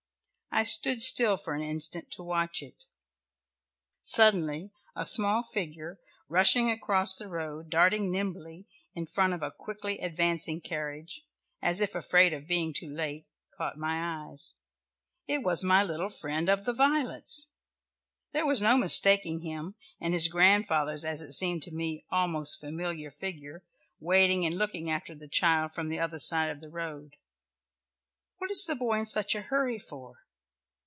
I stood still for an instant to watch it; suddenly a small figure, rushing across the road, darting nimbly in front of a quickly advancing carriage, as if afraid of being too late, caught my eyes. It was my little friend of the violets! There was no mistaking him and his grandfather's, it seemed to me, almost familiar figure, waiting and looking after the child from the other side of the road. What is the boy in such a hurry for?